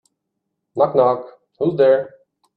Knock knock! Who's there?